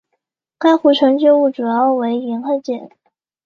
该湖的沉积物主要为盐和碱。